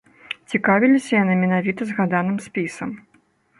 Цікавіліся яны менавіта згаданым спісам.